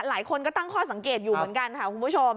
หลายคนก็ตั้งข้อสังเกตอยู่เหมือนกันค่ะคุณผู้ชม